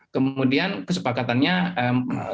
kemudian kesepakatannya suara majoritas